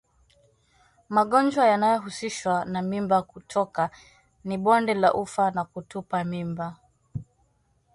Magonjwa yanayohusishwa na mimba kutoka ni bonde la ufa na kutupa mimba